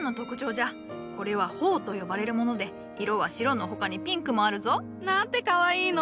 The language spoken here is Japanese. これは「ほう」と呼ばれるもので色は白の他にピンクもあるぞ。なんてかわいいの！